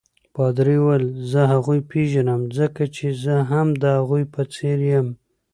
پادري وویل: زه هغوی پیژنم ځکه چې زه هم د هغوی په څېر یم.